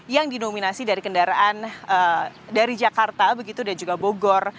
yang didominasi dari kendaraan dari jakarta begitu dan juga bogor